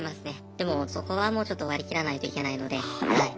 でもそこはもうちょっと割り切らないといけないのではい。